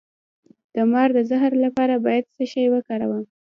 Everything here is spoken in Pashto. د مار د زهر لپاره باید څه شی وکاروم؟